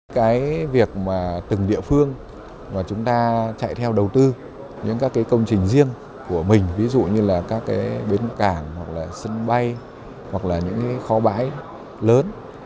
cái việc mà từng địa phương mà chúng ta chạy theo đầu tư những các công trình riêng của mình ví dụ như là các bến cảng sân bay hoặc là những khó bãi lớn